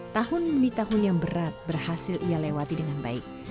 tahun demi tahun yang berat berhasil ia lewati dengan baik